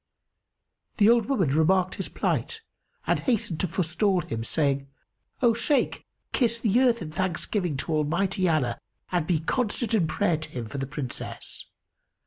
The old woman remarked his plight and hastened to forestall him, saying "O Shaykh, kiss the earth in thanksgiving to Almighty Allah and be constant in prayer to Him for the Princess.